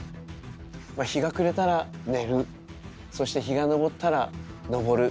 まあ日が暮れたら寝るそして日が昇ったら登る。